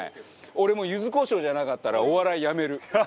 俺、柚子こしょうじゃなかったらお笑い、やめる。